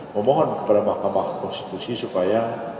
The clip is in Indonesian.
memohon kepada mahkamah konstitusi supaya